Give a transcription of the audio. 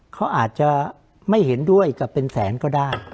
เขาอาจจะไม่เห็นด้วยกับเป็นแสนก็ได้